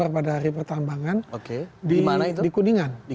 pada hari pertambangan di kuningan